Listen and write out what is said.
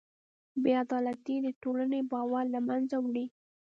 بېعدالتي د ټولنې باور له منځه وړي.